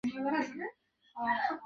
তিনি বর্তমান কাশ্মীর অঞ্চলে বসবাস করতেন।